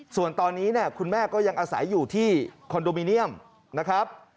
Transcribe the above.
ส่วนตอนนี้เนี่ยคุณแม่ก็ยังอาศัยอยู่ที่คอนโดมิเนียมนะครับ